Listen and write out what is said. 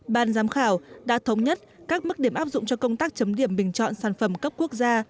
ban giám khảo đã thống nhất các mức điểm áp dụng cho công tác chấm điểm bình chọn sản phẩm cấp quốc gia